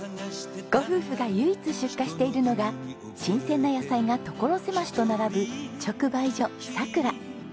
ご夫婦が唯一出荷しているのが新鮮な野菜が所狭しと並ぶ直売所さくら。